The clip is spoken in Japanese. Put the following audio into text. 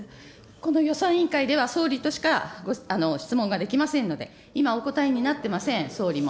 この予算委員会では総理としか質問ができませんので、今、お答えなってません、総理も。